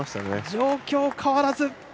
状況変わらず。